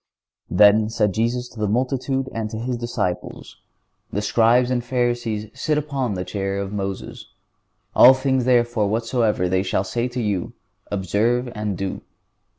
"Then said Jesus to the multitudes and to His disciples: The Scribes and Pharisees sit upon the chair of Moses. All things therefore whatsoever they shall say to you, observe and do."